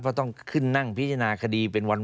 เพราะต้องขึ้นนั่งพิจารณาคดีเป็นวัน